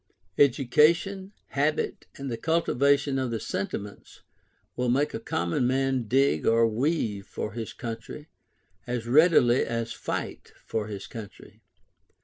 Education, habit, and the cultivation of the sentiments, will make a common man dig or weave for his country, as readily as fight for his country.